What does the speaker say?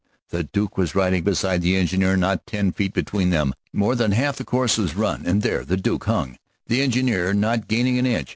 The Duke was riding beside the engineer, not ten feet between them. More than half the course was run, and there the Duke hung, the engine not gaining an inch.